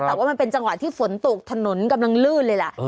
แต่ว่ามันเป็นจังหวะที่ฝนตกถนนกำลังลื่นเลยล่ะ